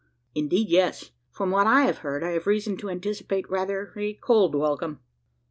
"Indeed, yes. From what I have heard, I have reason to anticipate rather a cold welcome."